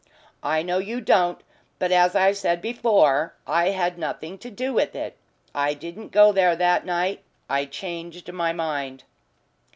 "I know you don't. But as I said before I had nothing to do with it. I didn't go there that night I changed my mind."